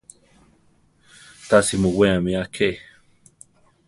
Tasi muweame aké.